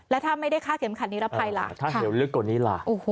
แล้วถ้าไม่ได้ฆ่าเข็มขัดนิรภัยล่ะ